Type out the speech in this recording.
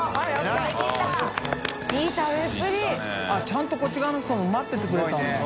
ちゃんとこっち側の人も待っててくれたんだ。